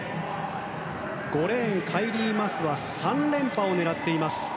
５レーンカイリー・マスは３連覇を狙っています。